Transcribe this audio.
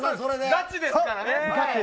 ガチですからね。